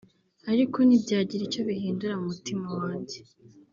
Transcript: ariko ntibyagira icyo bihindura mu mutima wanjye